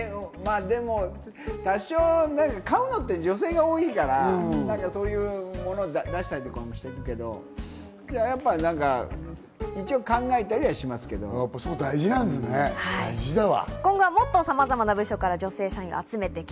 多少買うのって女性が多いから、そういうものを出したりとかもしてるけど、一応、考えたりはしま私何すればいいんだろう？